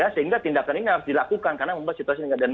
sehingga tindakan ini harus dilakukan karena membuat situasi tidak dendam